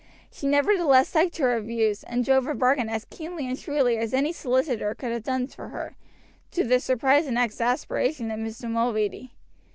She nevertheless stuck to her views, and drove a bargain as keenly and shrewdly as any solicitor could have done for her, to the surprise and exasperation of Mr. Mulready.